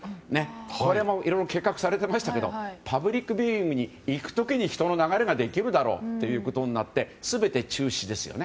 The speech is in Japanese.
これもいろいろ計画されてましたけどパブリックビューイングに行く時に人の流れができるだろうということになって全て中止ですね。